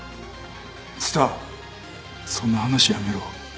蔦そんな話やめろ